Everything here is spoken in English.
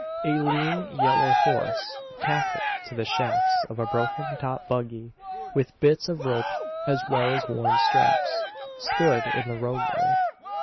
A lean, yellow horse, tackled to the shafts of a broken top buggy with bits of rope as well as worn straps, stood in the roadway.